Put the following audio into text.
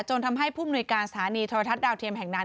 จนทำให้ผู้มนุยการสถานีโทรทัศน์ดาวเทียมแห่งนั้น